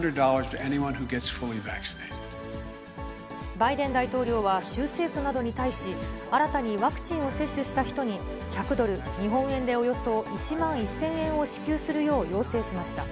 バイデン大統領は州政府などに対し、新たにワクチンを接種した人に１００ドル、日本円でおよそ１万１０００円を支給するよう要請しました。